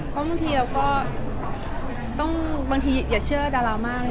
เพราะบางทีเราก็ต้องบางทีอย่าเชื่อดารามากเลย